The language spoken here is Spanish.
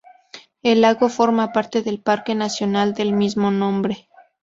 El lago forma parte del Parque nacional del mismo nombre.